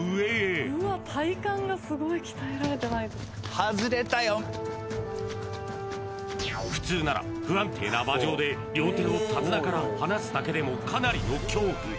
放った普通なら不安定な馬上で両手を手綱から離すだけでもかなりの恐怖